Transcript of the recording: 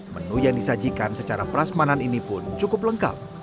menu yang disajikan secara prasmanan ini pun cukup lengkap